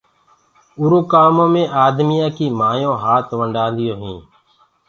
اُرو ڪآمو مي آدميآ ڪي مايونٚ هآت ونڊآ دِيونٚ هينٚ۔